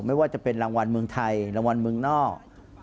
ไม่ว่าจะเป็นรางวัลเมืองไทยรางวัลเมืองนอก